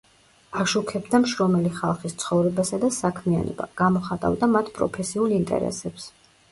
აშუქებდა მშრომელი ხალხის ცხოვრებასა და საქმიანობა, გამოხატავდა მათ პროფესიულ ინტერესებს.